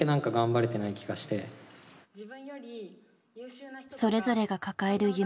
それぞれが抱える夢や悩み。